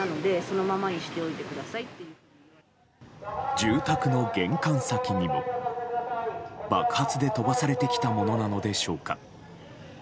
住宅の玄関先にも爆発で飛ばされてきたものなのでしょうか。